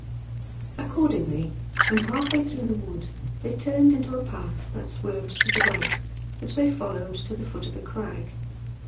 Accordingly, when half way through the wood, they turned into a path that swerved to the right, which they followed to the foot of the crag.